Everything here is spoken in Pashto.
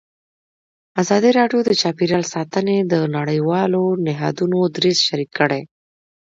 ازادي راډیو د چاپیریال ساتنه د نړیوالو نهادونو دریځ شریک کړی.